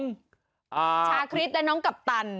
ชาคริสและน้องกัปตัน